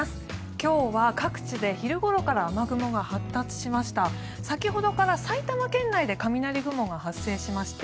今日は各地で昼ごろから雨雲が発達しました。